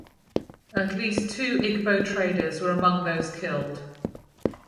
At least two Igbo traders were among those killed.